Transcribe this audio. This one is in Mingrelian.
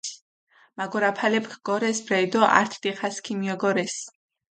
მაგორაფალეფქ გორეს ბრელი დო ართ დიხას ქიმიოგორეს.